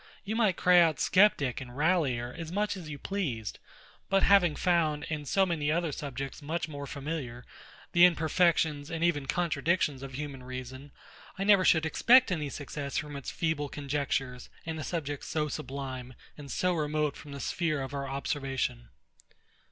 You might cry out sceptic and railler, as much as you pleased: but having found, in so many other subjects much more familiar, the imperfections and even contradictions of human reason, I never should expect any success from its feeble conjectures, in a subject so sublime, and so remote from the sphere of our observation.